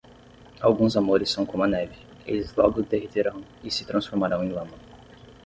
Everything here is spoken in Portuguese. Alguns amores são como a neve: eles logo derreterão e se transformarão em lama.